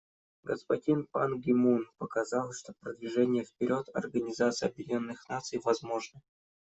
Господин Пан Ги Мун показал, что продвижение вперед Организации Объединенных Наций возможно.